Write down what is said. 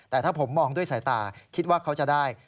แต่ถ้าผมมองด้วยสายตาคิดว่าเขาจะได้